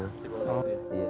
masih tidak ada apa apa